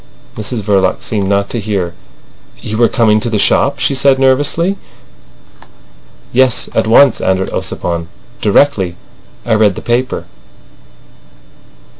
Mrs Verloc seemed not to hear. "You were coming to the shop?" she said nervously. "Yes; at once," answered Ossipon. "Directly I read the paper."